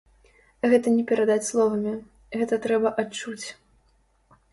Гэта не перадаць словамі, гэта трэба адчуць.